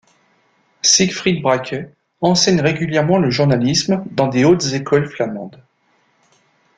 Siegfried Bracke enseigne régulièrement le journalisme dans des hautes écoles flamandes.